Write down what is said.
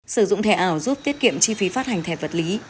sử dụng thẻ ảo giúp tiết kiệm chi phí phát hành thẻ vật lý